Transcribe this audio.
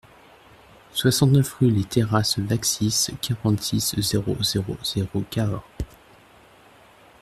soixante-neuf rue les Terrrases Vaxis, quarante-six, zéro zéro zéro, Cahors